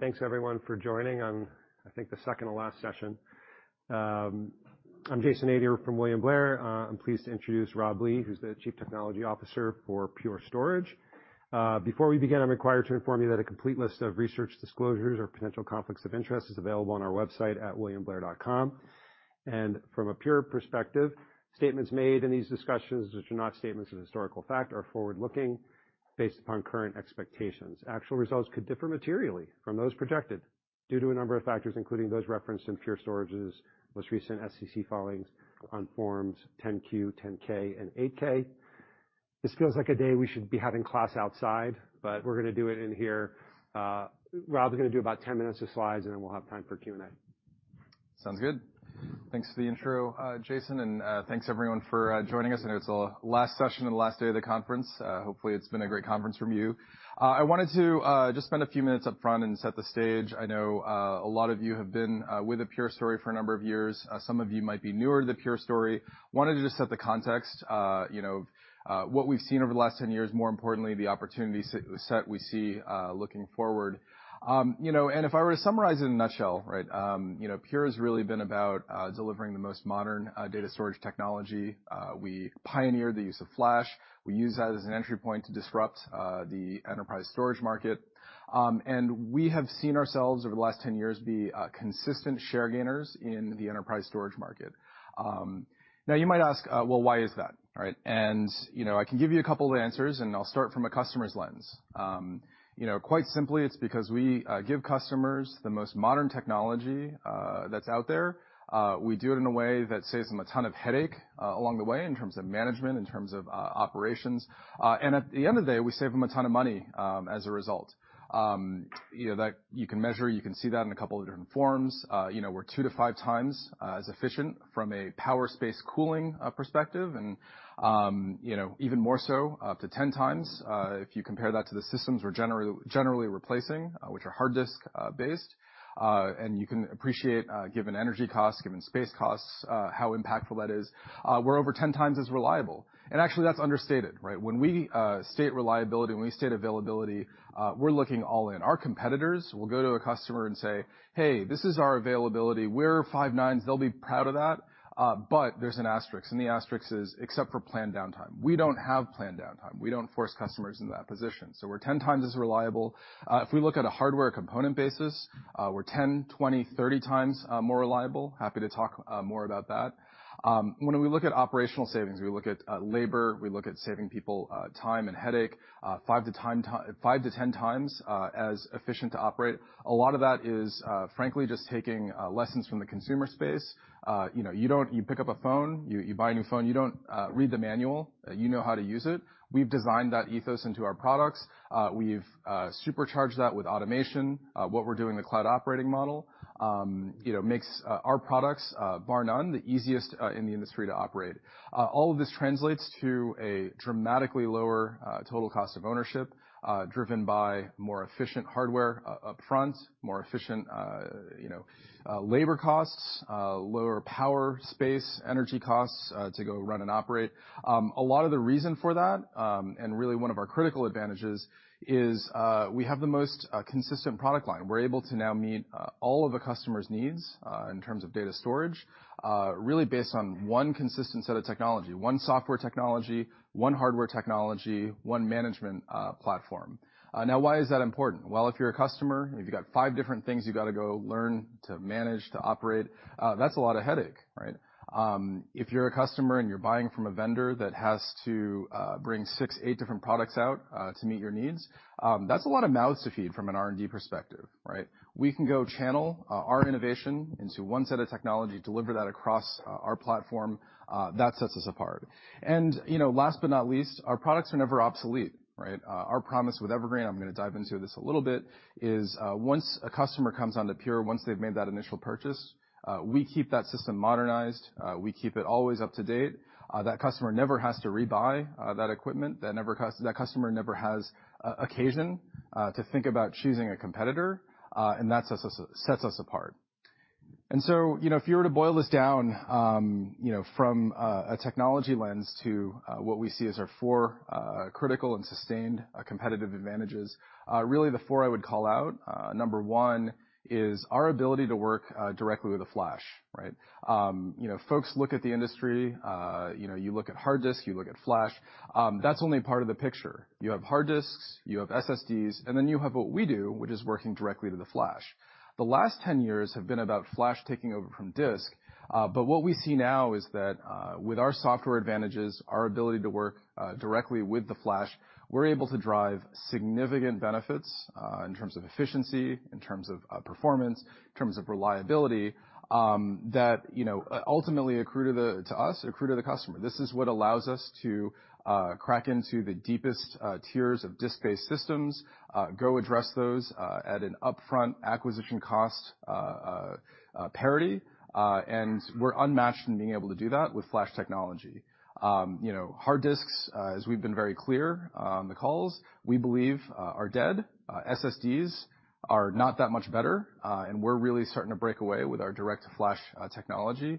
Thanks, everyone, for joining on, I think, the second to last session. I'm Jason Ader from William Blair. I'm pleased to introduce Rob Lee, who's the Chief Technology Officer for Pure Storage. Before we begin, I'm required to inform you that a complete list of research disclosures or potential conflicts of interest is available on our website at williamblair.com. From a Pure perspective, statements made in these discussions, which are not statements of historical fact, are forward-looking based upon current expectations. Actual results could differ materially from those projected due to a number of factors, including those referenced in Pure Storage's most recent SEC filings on Forms 10-Q, 10-K and 8-K. This feels like a day we should be having class outside, but we're gonna do it in here. Rob, we're gonna do about 10 minutes of slides, and then we'll have time for Q&A. Sounds good. Thanks for the intro, Jason, and thanks, everyone, for joining us. I know it's the last session and the last day of the conference. Hopefully, it's been a great conference for you. I wanted to just spend a few minutes up front and set the stage. I know a lot of you have been with the Pure story for a number of years. Some of you might be newer to the Pure story. Wanted to just set the context, you know, what we've seen over the last 10 years, more importantly, the opportunity set we see looking forward. You know, if I were to summarize in a nutshell, right, you know, Pure has really been about delivering the most modern data storage technology. We pioneered the use of flash. We used that as an entry point to disrupt the enterprise storage market. We have seen ourselves, over the last 10 years, be consistent share gainers in the enterprise storage market. Now you might ask, "Well, why is that?" All right? You know, I can give you a couple of answers, and I'll start from a customer's lens. You know, quite simply, it's because we give customers the most modern technology that's out there. We do it in a way that saves them a ton of headache along the way, in terms of management, in terms of operations. At the end of the day, we save them a ton of money as a result. You know, that you can measure, you can see that in a couple of different forms. You know, we're 2x to 5x as efficient from a power, space, cooling perspective. You know, even more so, up to 10x if you compare that to the systems we're generally replacing, which are hard disk-based. You can appreciate, given energy costs, given space costs, how impactful that is. We're over 10x as reliable, and actually, that's understated, right? When we state reliability, when we state availability, we're looking all in. Our competitors will go to a customer and say, "Hey, this is our availability. We're five nines." They'll be proud of that, but there's an asterisk, and the asterisk is, "Except for planned downtime." We don't have planned downtime. We don't force customers into that position, so we're 10x as reliable. If we look at a hardware component basis, we're 10x, 20x, 30x more reliable. Happy to talk more about that. When we look at operational savings, we look at labor, we look at saving people time and headache. 5x to 10x as efficient to operate. A lot of that is frankly, just taking lessons from the consumer space. You know, you don't. You pick up a phone, you buy a new phone, you don't read the manual. You know how to use it. We've designed that ethos into our products. We've supercharged that with automation. What we're doing in the Cloud operating model, you know, makes our products bar none, the easiest in the industry to operate. All of this translates to a dramatically lower total cost of ownership, driven by more efficient hardware upfront, more efficient, you know, labor costs, lower power, space, energy costs, to go run and operate. A lot of the reason for that, and really one of our critical advantages, is we have the most consistent product line. We're able to now meet all of a customer's needs in terms of data storage, really based on one consistent set of technology, one software technology, one hardware technology, one management platform. Now, why is that important? Well, if you're a customer, if you've got five different things you've got to go learn to manage, to operate, that's a lot of headache, right? If you're a customer and you're buying from a vendor that has to bring six, eight different products out to meet your needs, that's a lot of mouths to feed from an R&D perspective, right? We can go channel our innovation into one set of technology, deliver that across our platform. That sets us apart. You know, last but not least, our products are never obsolete, right? Our promise with Evergreen, I'm gonna dive into this a little bit, is once a customer comes onto Pure, once they've made that initial purchase, we keep that system modernized, we keep it always up to date. That customer never has to rebuy that equipment. That customer never has occasion to think about choosing a competitor, and that sets us apart. You know, if you were to boil this down, you know, from a technology lens to what we see as our four critical and sustained competitive advantages, really the four I would call out, number one is our ability to work directly with the flash, right? You know, folks look at the industry, you know, you look at hard disks, you look at flash. That's only part of the picture. You have hard disks, you have SSDs, and then you have what we do, which is working directly to the flash. The last 10 years have been about flash taking over from disk. What we see now is that with our software advantages, our ability to work directly with the flash, we're able to drive significant benefits in terms of efficiency, in terms of performance, in terms of reliability, that, you know, ultimately accrue to the, to us, accrue to the customer. This is what allows us to crack into the deepest tiers of disk-based systems, go address those at an upfront acquisition cost parity. We're unmatched in being able to do that with flash technology. You know, hard disks, as we've been very clear on the calls, we believe are dead. SSDs are not that much better, we're really starting to break away with our DirectFlash technology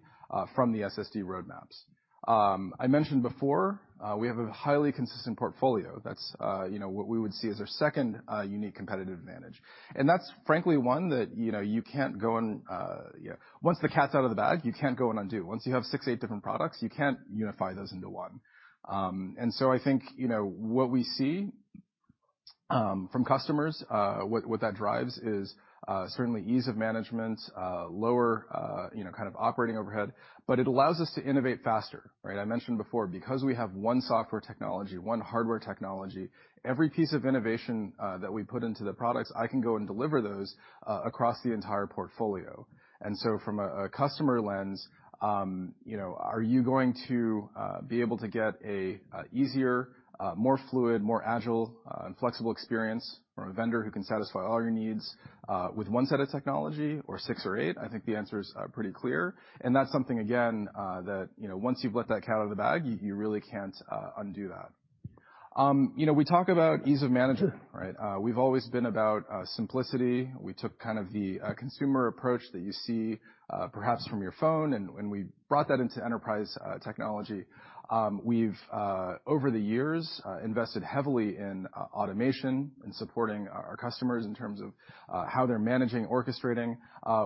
from the SSD roadmaps. I mentioned before, we have a highly consistent portfolio. That's, you know, what we would see as our second unique competitive advantage, and that's frankly, one that, you know, you can't go and, yeah. Once the cat's out of the bag, you can't go and undo. Once you have six, eight different products, you can't unify those into one. I think, you know, what we see from customers, what that drives is certainly ease of management, lower, you know, kind of operating overhead, but it allows us to innovate faster, right? I mentioned before, because we have one software technology, one hardware technology, every piece of innovation, that we put into the products, I can go and deliver those across the entire portfolio. So from a customer lens, you know, are you going to be able to get an easier, more fluid, more agile, and flexible experience from a vendor who can satisfy all your needs with one set of technology or six or eight? I think the answer is pretty clear. That's something, again, that, you know, once you've let that cat out of the bag, you really can't undo that. You know, we talk about ease of management, right? We've always been about simplicity. We took kind of the consumer approach that you see, perhaps from your phone, we brought that into enterprise technology. We've over the years invested heavily in automation and supporting our customers in terms of how they're managing, orchestrating.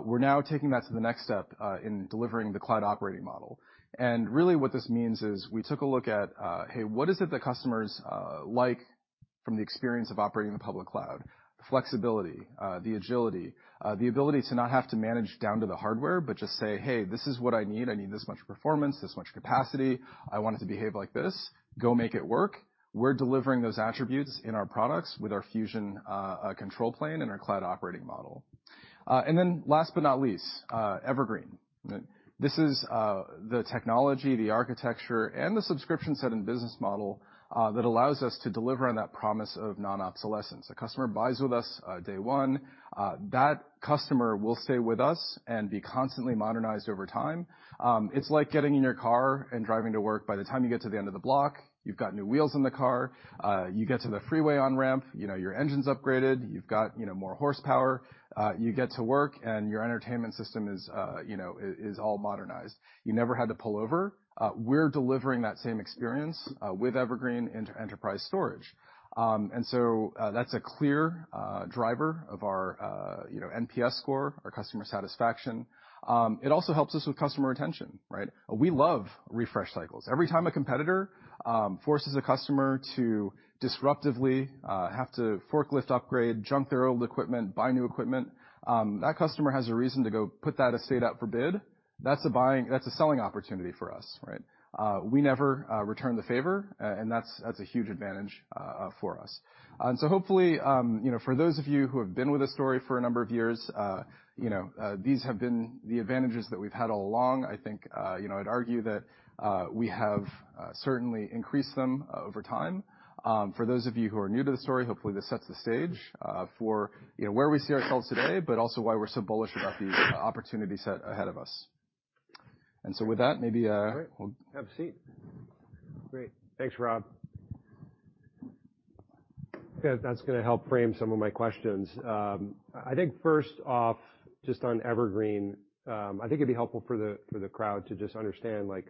We're now taking that to the next step in delivering the cloud operating model. Really, what this means is, we took a look at, hey, what is it that customers like from the experience of operating the public cloud? Flexibility, the agility, the ability to not have to manage down to the hardware, but just say, "Hey, this is what I need. I need this much performance, this much capacity. I want it to behave like this. Go make it work." We're delivering those attributes in our Fusion control plane and our cloud operating model. Last but not least, Evergreen. This is the technology, the architecture, and the subscription set and business model that allows us to deliver on that promise of non-obsolescence. A customer buys with us, day one, that customer will stay with us and be constantly modernized over time. It's like getting in your car and driving to work. By the time you get to the end of the block, you've got new wheels on the car. You get to the freeway on-ramp, you know, your engine's upgraded, you've got, you know, more horsepower. You get to work, and your entertainment system is, you know, is all modernized. You never had to pull over. We're delivering that same experience with Evergreen Enterprise storage. That's a clear driver of our, you know, NPS score, our customer satisfaction. It also helps us with customer retention, right? We love refresh cycles. Every time a competitor forces a customer to disruptively have to forklift upgrade, junk their old equipment, buy new equipment, that customer has a reason to go put that estate out for bid. That's a selling opportunity for us, right? We never return the favor, and that's a huge advantage for us. Hopefully, you know, for those of you who have been with this story for a number of years, you know, these have been the advantages that we've had all along. I think, you know, I'd argue that, we have, certainly increased them, over time. For those of you who are new to the story, hopefully, this sets the stage, for, you know, where we see ourselves today, but also why we're so bullish about the opportunity set ahead of us. With that, maybe. Great. Have a seat. Great. Thanks, Rob. That's going to help frame some of my questions. I think first off, just on Evergreen, I think it'd be helpful for the, for the crowd to just understand, like,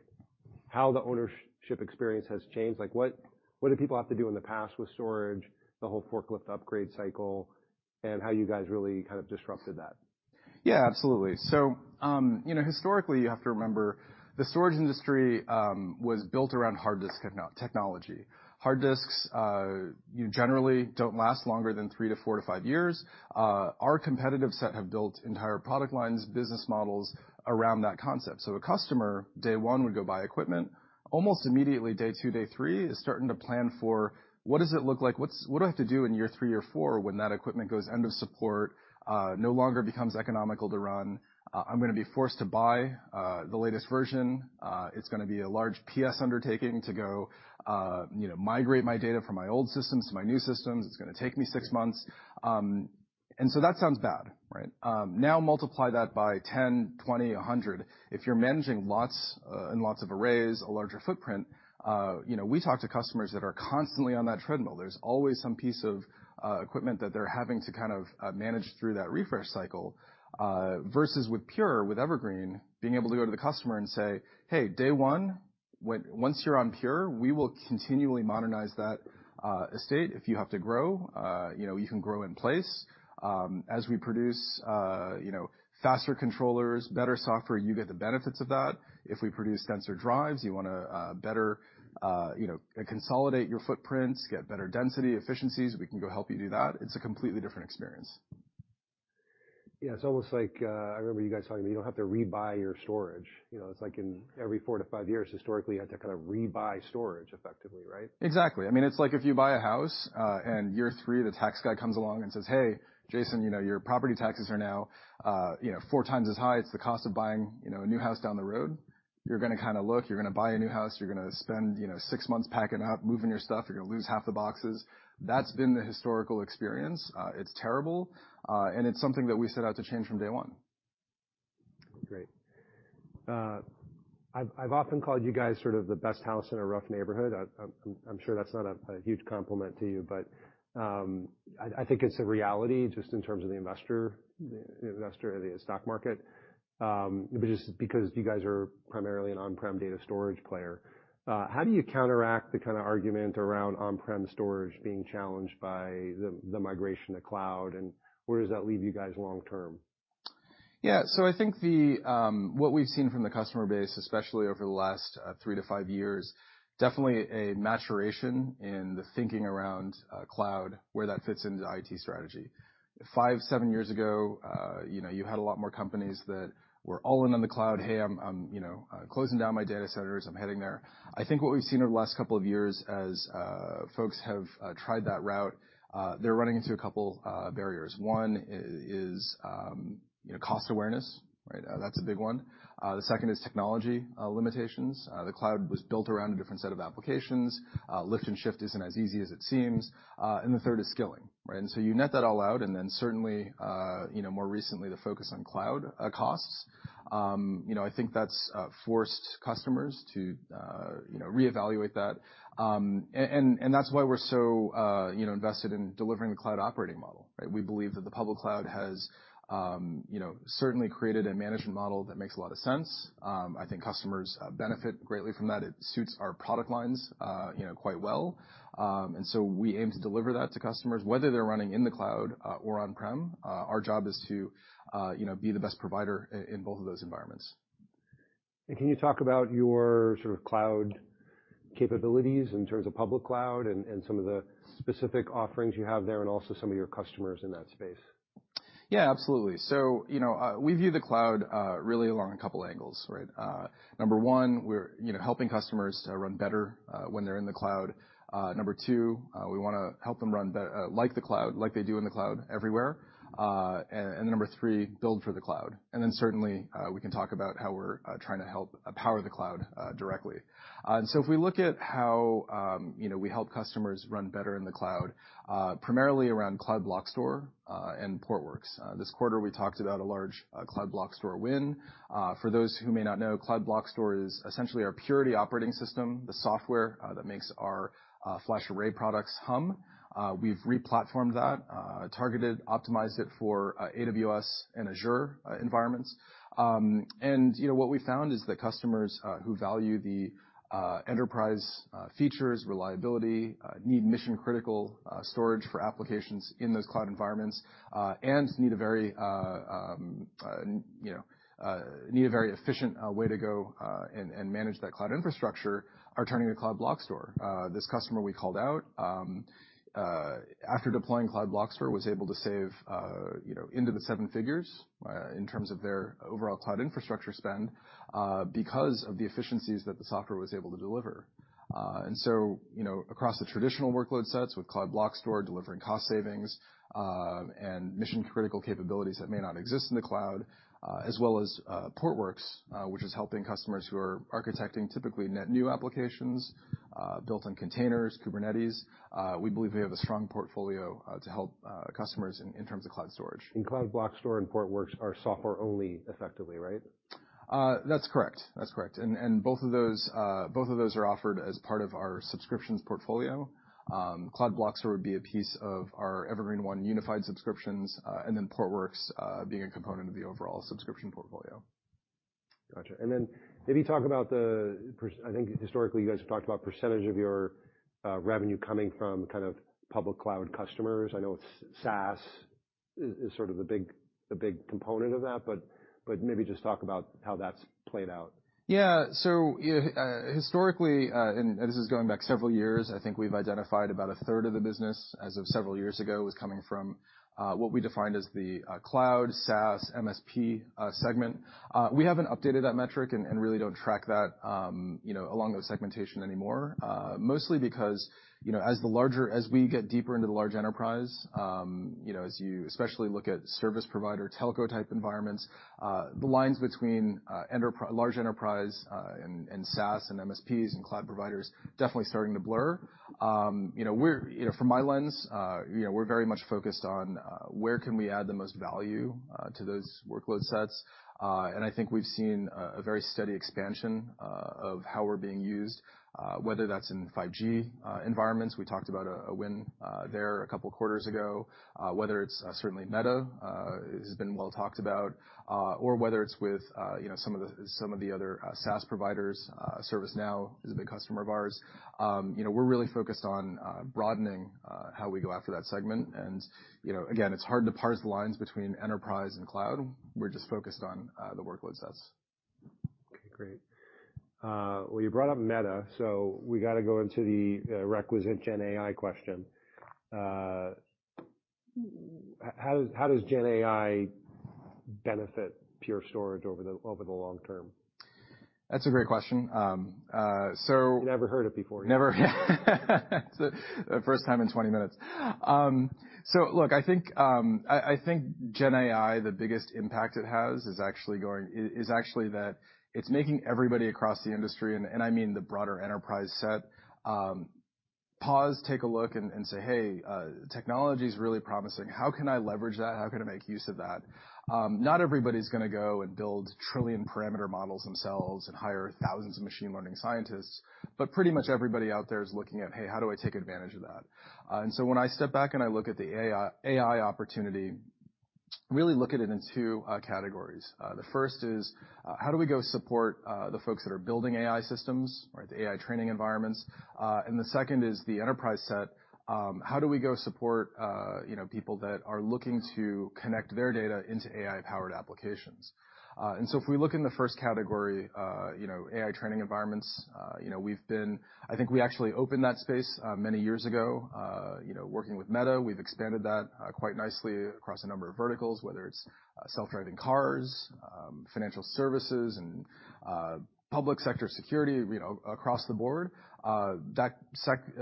how the ownership experience has changed. Like, what did people have to do in the past with storage, the whole forklift upgrade cycle, and how you guys really kind of disrupted that? Yeah, absolutely. you know, historically, you have to remember, the storage industry, was built around hard disk technology. Hard disks, generally don't last longer than three to four to five years. Our competitive set have built entire product lines, business models around that concept. A customer, day one, would go buy equipment. Almost immediately, day two, day three, is starting to plan for: what does it look like? what do I have to do in year three or four when that equipment goes end of support, no longer becomes economical to run? I'm going to be forced to buy the latest version. It's going to be a large PS undertaking to go, you know, migrate my data from my old systems to my new systems. It's going to take me six months. That sounds bad, right? Now multiply that by 10, 20, 100. If you're managing lots and lots of arrays, a larger footprint, you know, we talk to customers that are constantly on that treadmill. There's always some piece of equipment that they're having to kind of manage through that refresh cycle. Versus with Pure, with Evergreen, being able to go to the customer and say: Hey, day one, once you're on Pure, we will continually modernize that estate. If you have to grow, you know, you can grow in place. As we produce, you know, faster controllers, better software, you get the benefits of that. If we produce DirectFlash drives, you want to better, you know, consolidate your footprints, get better density, efficiencies, we can go help you do that. It's a completely different experience. Yeah, it's almost like, I remember you guys talking, you don't have to rebuy your storage. You know, it's like in every four to five years, historically, you had to kind of rebuy storage effectively, right? Exactly. I mean, it's like if you buy a house, and year three, the tax guy comes along and says, "Hey, Jason, you know, your property taxes are now, you know, 4x as high. It's the cost of buying, you know, a new house down the road." You're going to kind of look, you're going to buy a new house, you're going to spend, you know, six months packing up, moving your stuff. You're going to lose half the boxes. That's been the historical experience. It's terrible, and it's something that we set out to change from day one. Great. I've often called you guys sort of the best house in a rough neighborhood. I'm sure that's not a huge compliment to you, but I think it's a reality just in terms of the investor in the stock market, just because you guys are primarily an on-prem data storage player. How do you counteract the kind of argument around on-prem storage being challenged by the migration to cloud, and where does that leave you guys long term? I think what we've seen from the customer base, especially over the last 3-5 years, definitely a maturation in the thinking around cloud, where that fits into the IT strategy. Five, seven years ago, you had a lot more companies that were all in on the cloud. "Hey, I'm closing down my data centers. I'm heading there." I think what we've seen over the last couple of years as folks have tried that route, they're running into a couple barriers. One is cost awareness, right? That's a big one. The second is technology limitations. The cloud was built around a different set of applications. Lift and shift isn't as easy as it seems. The third is skilling, right? You net that all out, and then certainly, you know, more recently, the focus on cloud costs. You know, I think that's forced customers to, you know, reevaluate that. That's why we're so, you know, invested in delivering the cloud operating model, right? We believe that the public cloud has, you know, certainly created a management model that makes a lot of sense. I think customers benefit greatly from that. It suits our product lines, you know, quite well. We aim to deliver that to customers. Whether they're running in the cloud or on-prem, our job is to, you know, be the best provider in both of those environments. Can you talk about your sort of cloud capabilities in terms of public cloud and some of the specific offerings you have there, and also some of your customers in that space? Yeah, absolutely. You know, we view the cloud really along a couple angles, right? Number one, we're, you know, helping customers run better when they're in the cloud. Number two, we wanna help them run like the cloud, like they do in the cloud everywhere. Number three, build for the cloud. Then, certainly, we can talk about how we're trying to help power the cloud directly. If we look at how, you know, we help customers run better in the cloud, primarily around Cloud Block Store and Portworx. This quarter, we talked about a large Cloud Block Store win. For those who may not know, Cloud Block Store is essentially our Purity operating system, the software that makes our FlashArray products hum. We've re-platformed that, targeted, optimized it for AWS and Azure environments. You know, what we found is that customers who value the enterprise features, reliability, need mission-critical storage for applications in those cloud environments, and need a very, you know, efficient way to go and manage that cloud infrastructure, are turning to Cloud Block Store. This customer we called out, after deploying Cloud Block Store, was able to save, you know, into the seven figures, in terms of their overall cloud infrastructure spend, because of the efficiencies that the software was able to deliver. You know, across the traditional workload sets with Cloud Block Store, delivering cost savings, and mission-critical capabilities that may not exist in the cloud, as well as Portworx, which is helping customers who are architecting typically net new applications, built on containers, Kubernetes. We believe we have a strong portfolio, to help customers in terms of cloud storage. Cloud Block Store and Portworx are software only effectively, right? That's correct, that's correct. Both of those are offered as part of our subscriptions portfolio. Cloud Block Store would be a piece of our Evergreen//One unified subscriptions, Portworx, being a component of the overall subscription portfolio. Gotcha. Then maybe talk about the I think historically, you guys have talked about percentage of your revenue coming from kind of public cloud customers. I know SaaS is sort of the big component of that, but maybe just talk about how that's played out. Historically, and this is going back several years, I think we've identified about a third of the business as of several years ago, was coming from, what we defined as the cloud SaaS MSP segment. We haven't updated that metric and really don't track that, you know, along those segmentation anymore. Mostly because, you know, as we get deeper into the large enterprise, you know, as you especially look at service provider, telco-type environments, the lines between large enterprise, and SaaS and MSPs and cloud providers, definitely starting to blur. You know, from my lens, you know, we're very much focused on, where can we add the most value, to those workload sets? I think we've seen a very steady expansion of how we're being used, whether that's in 5G environments. We talked about a win there a couple quarters ago. Whether it's certainly Meta has been well talked about, or whether it's with, you know, some of the other SaaS providers. ServiceNow is a big customer of ours. you know, we're really focused on broadening how we go after that segment. you know, again, it's hard to parse the lines between enterprise and cloud. We're just focused on the workload sets. Okay, great. Well, you brought up Meta, we gotta go into the requisite GenAI question. How does GenAI benefit Pure Storage over the long term? That's a great question. You never heard it before. Never. The first time in 20 minutes. Look, I think GenAI, the biggest impact it has is actually that it's making everybody across the industry, and I mean the broader enterprise set, pause, take a look and say, "Hey, technology's really promising. How can I leverage that? How can I make use of that?" Not everybody's gonna go and build trillion-parameter models themselves and hire thousands of machine learning scientists, but pretty much everybody out there is looking at, "Hey, how do I take advantage of that?" When I step back and I look at the AI opportunity. We really look at it in two categories. The first is, how do we go support the folks that are building AI systems or the AI training environments? The second is the enterprise set. How do we go support, you know, people that are looking to connect their data into AI-powered applications? If we look in the first category, you know, AI training environments, you know, I think we actually opened that space many years ago, you know, working with Meta. We've expanded that quite nicely across a number of verticals, whether it's self-driving cars, financial services, and public sector security, you know, across the board. That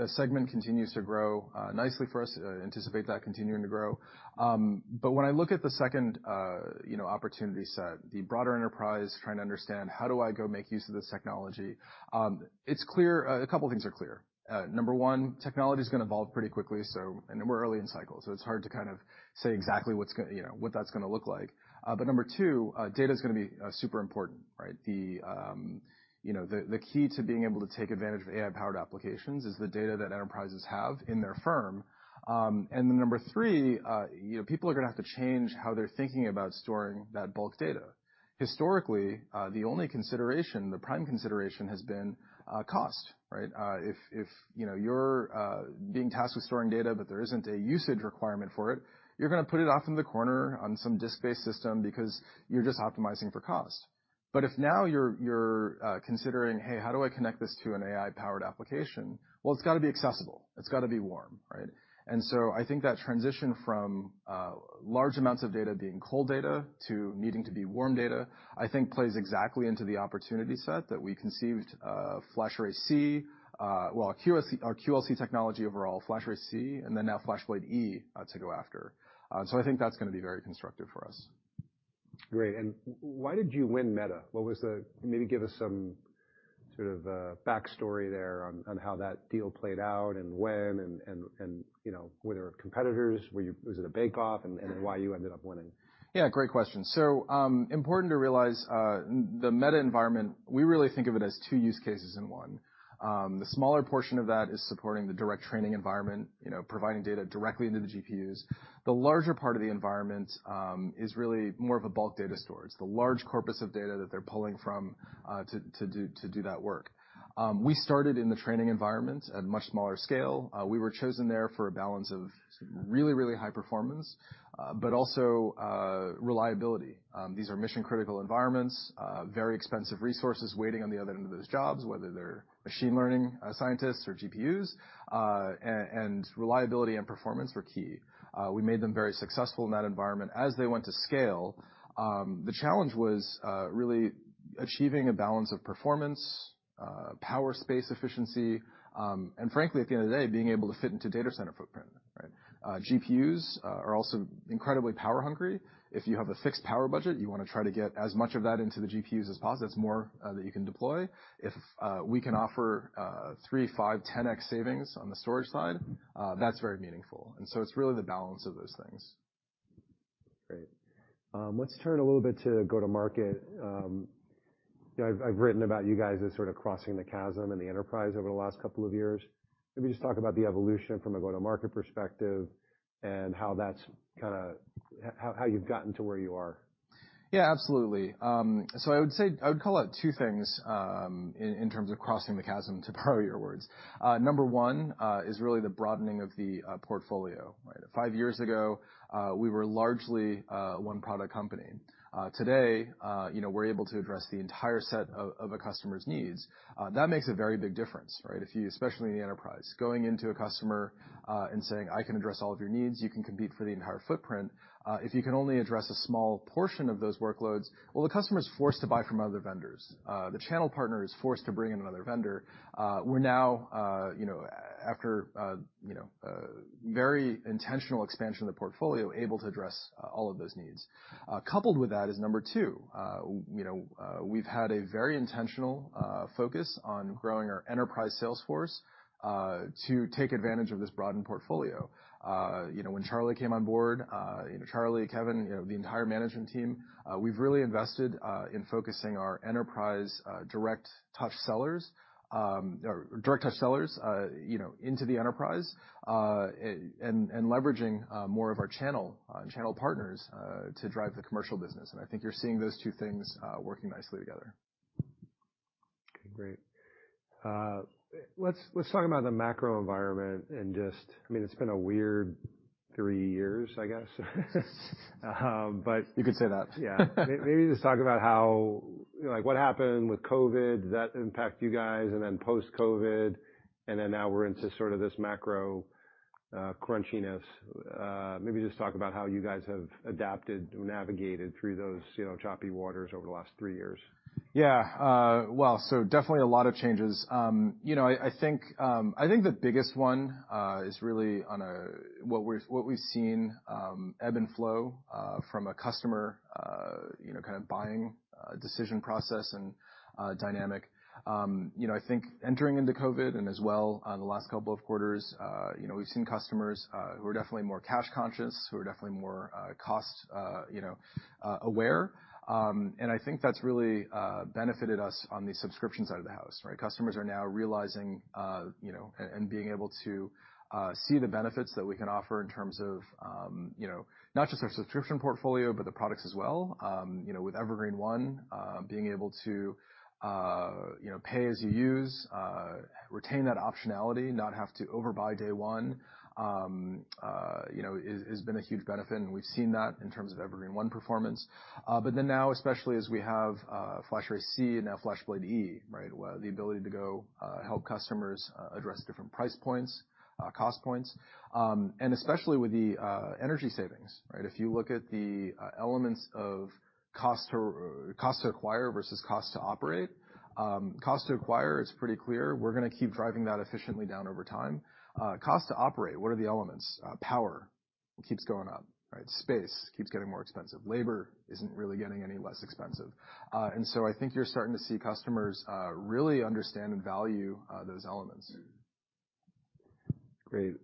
segment continues to grow nicely for us. Anticipate that continuing to grow. When I look at the second, you know, opportunity set, the broader enterprise, trying to understand: How do I go make use of this technology? It's clear. A couple things are clear. Number one, technology is gonna evolve pretty quickly, it's hard to kind of say exactly what's gonna, you know, what that's gonna look like. Number two, data is gonna be super important, right? The, you know, the key to being able to take advantage of AI-powered applications is the data that enterprises have in their firm. Number three, you know, people are gonna have to change how they're thinking about storing that bulk data. Historically, the only consideration, the prime consideration, has been cost, right? If, you know, you're being tasked with storing data, but there isn't a usage requirement for it, you're gonna put it off in the corner on some disk-based system because you're just optimizing for cost. If now you're considering, "Hey, how do I connect this to an AI-powered application?" Well, it's got to be accessible. It's got to be warm, right? I think that transition from large amounts of data being cold data to needing to be warm data, I think plays exactly into the opportunity set that we conceived FlashArray//C, well, QLC, our QLC technology overall, FlashArray//C, and then now FlashBlade//E to go after. I think that's gonna be very constructive for us. Great, why did you win Meta? Maybe give us some sort of backstory there on how that deal played out and when, and, you know, were there competitors? Was it a bake-off, and why you ended up winning? Yeah, great question. Important to realize the Meta environment, we really think of it as two use cases in one. The smaller portion of that is supporting the direct training environment, you know, providing data directly into the GPUs. The larger part of the environment is really more of a bulk data storage, the large corpus of data that they're pulling from to do that work. We started in the training environment at a much smaller scale. We were chosen there for a balance of really high performance, but also reliability. These are mission-critical environments, very expensive resources waiting on the other end of those jobs, whether they're machine learning scientists or GPUs. And reliability and performance were key. We made them very successful in that environment. As they went to scale, the challenge was really achieving a balance of performance, power, space, efficiency, and frankly, at the end of the day, being able to fit into data center footprint, right? GPUs are also incredibly power hungry. If you have a fixed power budget, you want to try to get as much of that into the GPUs as possible. That's more that you can deploy. If we can offer 3x, 5x, 10x savings on the storage side, that's very meaningful. It's really the balance of those things. Great. Let's turn a little bit to go-to-market. You know, I've written about you guys as sort of crossing the chasm in the enterprise over the last couple of years. Maybe just talk about the evolution from a go-to-market perspective and how that's kinda. How you've gotten to where you are. Yeah, absolutely. I would say, I would call out two things, in terms of crossing the chasm, to borrow your words. Number one, is really the broadening of the portfolio, right? Five years ago, we were largely a one-product company. Today, you know, we're able to address the entire set of a customer's needs. That makes a very big difference, right? Especially in the enterprise, going into a customer, and saying, "I can address all of your needs," you can compete for the entire footprint. If you can only address a small portion of those workloads, well, the customer is forced to buy from other vendors. The channel partner is forced to bring in another vendor. We're now, you know, after, you know, a very intentional expansion of the portfolio, able to address all of those needs. Coupled with that is number two. You know, we've had a very intentional focus on growing our enterprise sales force to take advantage of this broadened portfolio. You know, when Charlie came on board, you know, Charlie, Kevan, you know, the entire management team, we've really invested in focusing our enterprise direct touch sellers, or direct touch sellers, you know, into the enterprise, and leveraging more of our channel partners to drive the commercial business, and I think you're seeing those two things working nicely together. Okay, great. let's talk about the macro environment and I mean, it's been a weird three years, I guess. You could say that. Yeah. Maybe just talk about how, like, what happened with COVID, did that impact you guys, and then post-COVID, and then now we're into sort of this macro crunchiness. Maybe just talk about how you guys have adapted or navigated through those, you know, choppy waters over the last three years. Definitely a lot of changes. You know, I think the biggest one is really on a what we've seen ebb and flow from a customer, you know, kind of buying decision process and dynamic. You know, I think entering into COVID and as well, the last couple of quarters, you know, we've seen customers who are definitely more cash conscious, who are definitely more cost, you know, aware. I think that's really benefited us on the subscription side of the house, right? Customers are now realizing, you know, and being able to see the benefits that we can offer in terms of, you know, not just our subscription portfolio, but the products as well. You know, with Evergreen//One, being able to, you know, pay as you use, retain that optionality, not have to overbuy day one, you know, has been a huge benefit, we've seen that in terms of Evergreen//One performance. Now, especially as we have FlashArray//C and now FlashBlade//E, right? The ability to go help customers address different price points, cost points, especially with the energy savings, right? If you look at the elements of cost to acquire versus cost to operate, cost to acquire is pretty clear. We're gonna keep driving that efficiently down over time. Cost to operate, what are the elements? Power keeps going up, right? Space keeps getting more expensive. Labor isn't really getting any less expensive. I think you're starting to see customers, really understand and value, those elements. Great.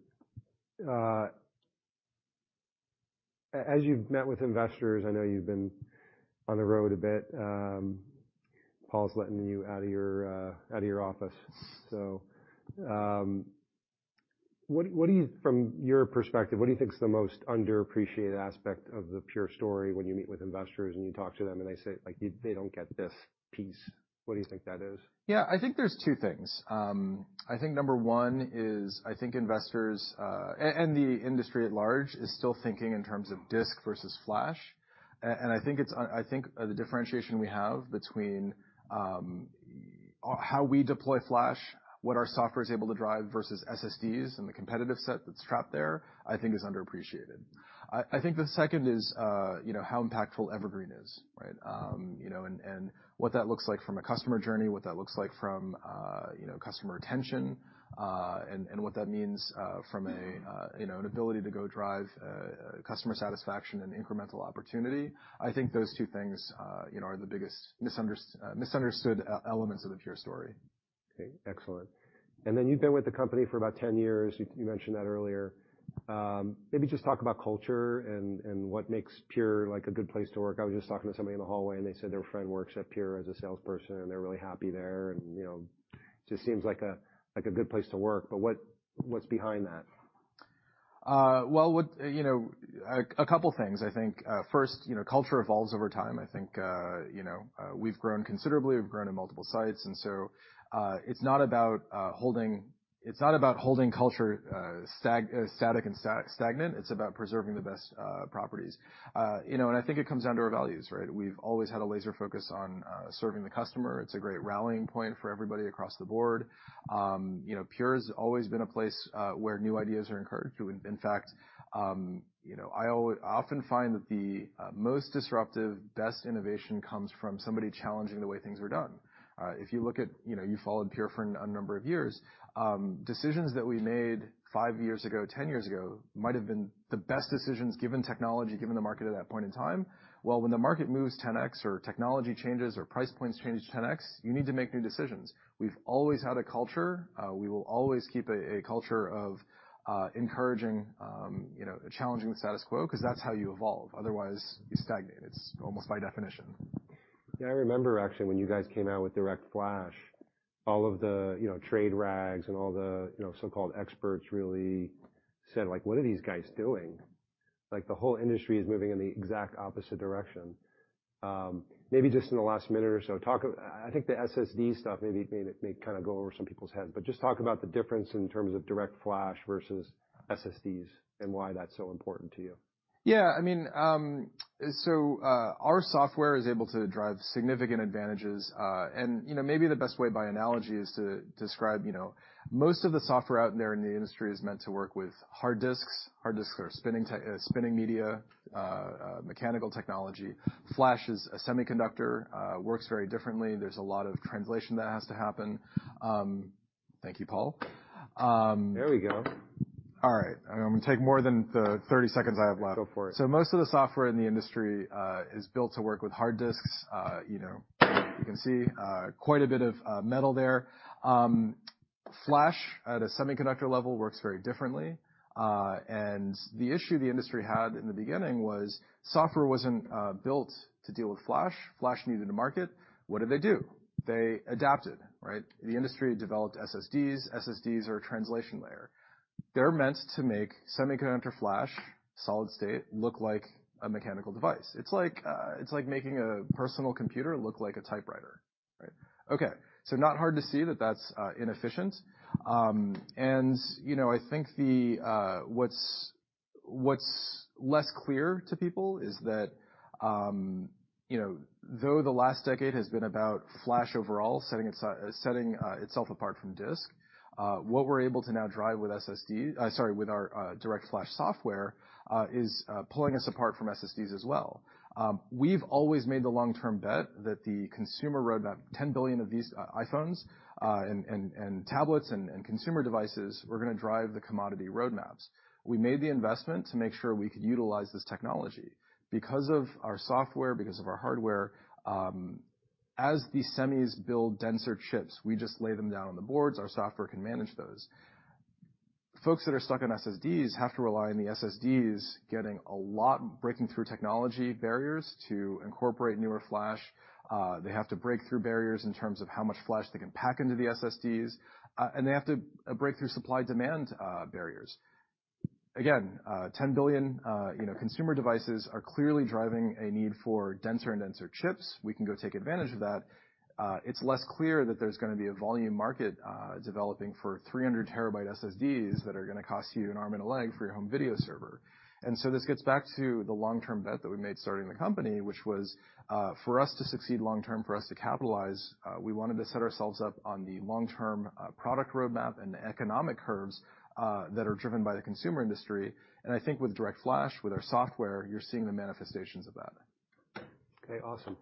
As you've met with investors, I know you've been on the road a bit. Paul's letting you out of your, out of your office. What do you think is the most underappreciated aspect of the Pure story when you meet with investors and you talk to them, and they say, like, "They don't get this piece," what do you think that is? Yeah, I think there's two things. I think number one is, I think investors, and the industry at large is still thinking in terms of disk versus flash. I think the differentiation we have between how we deploy flash, what our software is able to drive versus SSDs and the competitive set that's trapped there, I think is underappreciated. I think the second is, you know, how impactful Evergreen is, right? What that looks like from a customer journey, what that looks like from, you know, customer retention, and what that means from a, you know, an ability to go drive customer satisfaction and incremental opportunity. I think those two things, you know, are the biggest misunderstood elements of the Pure story. Okay, excellent. You've been with the company for about 10 years. You mentioned that earlier. Maybe just talk about culture and what makes Pure, like, a good place to work. I was just talking to somebody in the hallway, and they said their friend works at Pure as a salesperson, and they're really happy there, and, you know, just seems like a, like a good place to work. What's behind that? Well, you know, a couple things, I think. First, you know, culture evolves over time. I think we've grown considerably. We've grown in multiple sites, it's not about holding culture static and stagnant. It's about preserving the best properties. You know, I think it comes down to our values, right? We've always had a laser focus on serving the customer. It's a great rallying point for everybody across the board. You know, Pure has always been a place where new ideas are encouraged. In fact, you know, I often find that the most disruptive, best innovation comes from somebody challenging the way things are done. If you look at, you know, you followed Pure for a number of years, decisions that we made 5 years ago, 10 years ago, might have been the best decisions, given technology, given the market at that point in time. Well, when the market moves 10x or technology changes or price points change 10x, you need to make new decisions. We've always had a culture, we will always keep a culture of encouraging, you know, challenging the status quo, 'cause that's how you evolve. Otherwise, you stagnate. It's almost by definition. I remember actually, when you guys came out with DirectFlash, all of the, you know, trade rags and all the, you know, so-called experts really said, like: "What are these guys doing? Like, the whole industry is moving in the exact opposite direction." maybe just in the last minute or so, talk. I think the SSD stuff maybe may kind of go over some people's heads, but just talk about the difference in terms of DirectFlash versus SSDs and why that's so important to you. Yeah, I mean, our software is able to drive significant advantages. You know, maybe the best way by analogy is to describe, you know, most of the software out there in the industry is meant to work with hard disks. Hard disks are spinning media, mechanical technology. Flash is a semiconductor, works very differently. There's a lot of translation that has to happen. Thank you, Paul. There we go. All right. I'm gonna take more than the 30 seconds I have left. Go for it. Most of the software in the industry is built to work with hard disks. You know, you can see quite a bit of metal there. Flash, at a semiconductor level, works very differently. The issue the industry had in the beginning was software wasn't built to deal with flash. Flash needed a market. What did they do? They adapted, right? The industry developed SSDs. SSDs are a translation layer. They're meant to make semiconductor flash, solid-state, look like a mechanical device. It's like, it's like making a personal computer look like a typewriter, right? Not hard to see that that's inefficient. You know, I think the—what's less clear to people is that, you know, though the last decade has been about flash overall, setting itself apart from disk, what we're able to now drive with SSD, sorry, with our DirectFlash software, is pulling us apart from SSDs as well. We've always made the long-term bet that the consumer roadmap, 10 billion of these iPhones, and tablets and consumer devices were gonna drive the commodity roadmaps. We made the investment to make sure we could utilize this technology. Because of our software, because of our hardware, as these semis build denser chips, we just lay them down on the boards. Our software can manage those. Folks that are stuck on SSDs have to rely on the SSDs getting a lot, breaking through technology barriers to incorporate newer flash. They have to break through barriers in terms of how much flash they can pack into the SSDs, and they have to break through supply-demand barriers. Again, you know, 10 billion consumer devices are clearly driving a need for denser and denser chips. We can go take advantage of that. It's less clear that there's gonna be a volume market developing for 300 terabyte SSDs that are gonna cost you an arm and a leg for your home video server. This gets back to the long-term bet that we made starting the company, which was for us to succeed long term, for us to capitalize, we wanted to set ourselves up on the long-term product roadmap and the economic curves that are driven by the consumer industry. I think with DirectFlash, with our software, you're seeing the manifestations of that. Okay, awesome.